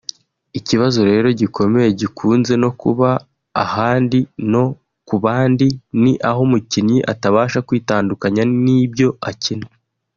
Ikibazo rero gikomeye gikunze no kuba ahandi no ku bandi ni aho umukinnyi atabasha kwitandukanya n’ibyo akina